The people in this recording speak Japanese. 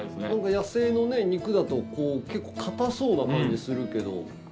野生の肉だと結構硬そうな感じするけど。